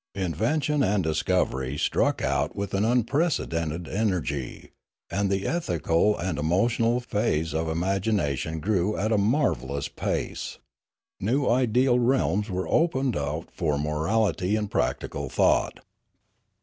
Invention and dis covery struck out with unprecedented energy, and the ethical and emotional phase of imagination grew at a marvellous pace; new ideal realms were opened out for morality and practical thought.